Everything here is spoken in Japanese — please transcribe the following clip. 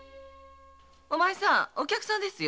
お前さんお客様ですよ。